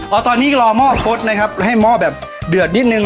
เอาตอนนี้รอหม้อคดนะครับให้หม้อแบบเดือดนิดนึง